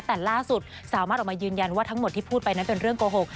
แต่ล่าสุดสามารถออกมายืนยันว่าทั้งหมดที่พูดไปนั้นเป็นเรื่องโกหก